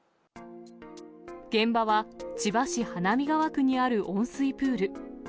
現場は千葉市花見川区にある温水プール。